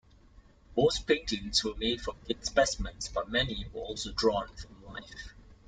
Most paintings were made from dead specimens, but many were also drawn from life.